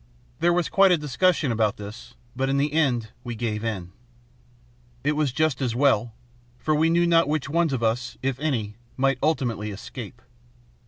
There was quite a discussion about this, but in the end we gave in. It was just as well, for we knew not which ones of us, if any, might ultimately escape.